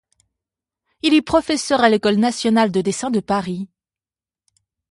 Il est professeur à l'école nationale de dessin de Paris.